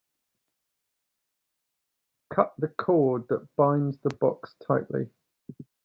Cut the cord that binds the box tightly.